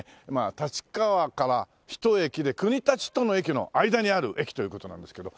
立川から１駅で国立との駅の間にある駅という事なんですけど。